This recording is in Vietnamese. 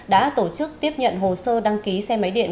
đã tổ chức tiếp nhận hồ sơ đăng ký xe máy điện